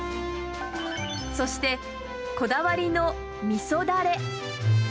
そして、こだわりのみそだれ。